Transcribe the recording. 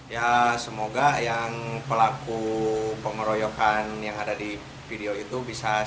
ya semoga yang pelaku pengeroyokan yang ada di video itu bisa segera